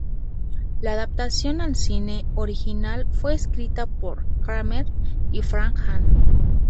La adaptación al cine original fue escrita por Kramer y Frank Hannah.